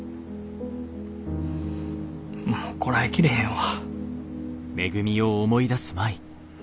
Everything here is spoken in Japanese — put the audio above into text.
もうこらえきれへんわ。